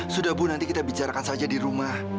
sudah bu nanti kita bicarakan saja di rumah